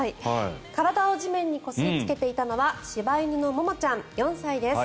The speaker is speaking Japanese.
体を地面にこすりつけていたのは柴犬のももちゃん、４歳です。